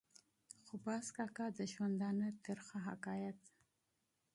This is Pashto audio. خو باز کاکا د ژوندانه ترخه حقایق.